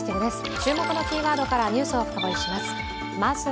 注目のキーワードからニュースを深掘りします。